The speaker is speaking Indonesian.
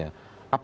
apakah bisa cukup